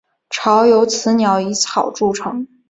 巢是由雌鸟以草筑成。